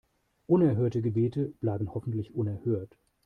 Unerhörte Gebete bleiben hoffentlich unerhört.